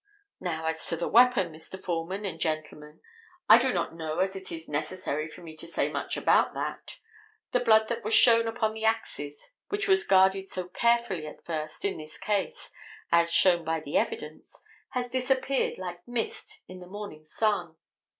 Now as to the weapon, Mr. Foreman and gentlemen, I do not know as it is necessary for me to say much about that. The blood that was shown upon the axes, which was guarded so carefully at first in this case, as shown by the evidence, has disappeared like mist in the morning sun.